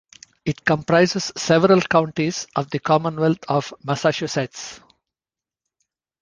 It comprises several counties of the Commonwealth of Massachusetts.